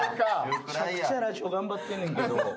むちゃくちゃラジオ頑張ってんねんけど。